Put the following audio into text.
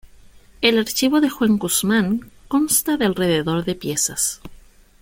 El archivo de Juan Guzmán consta de alrededor de piezas.